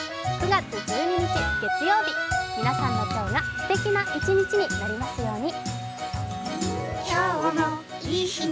９月１２日月曜日、皆さんの今日がすてきな一日になりますように。